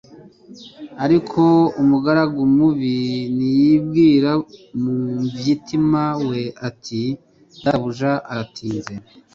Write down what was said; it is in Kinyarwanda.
"ariko umugaragu mubi niyibwira mu mvtima we ati: Databuja aratinze,